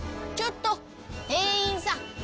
「ちょっと店員さん！